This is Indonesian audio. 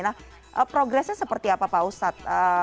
nah progresnya seperti apa pak ustadz